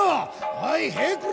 「おい平九郎